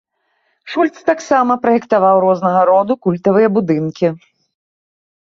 Шульц таксама праектаваў рознага роду культавыя будынкі.